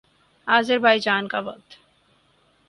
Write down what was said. آذربائیجان کا وقت